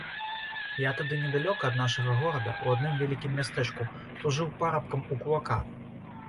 Я тады недалёка ад нашага горада, у адным вялікім мястэчку, служыў парабкам у кулака.